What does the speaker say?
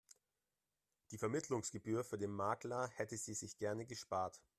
Die Vermittlungsgebühr für den Makler hätte sie sich gerne gespart.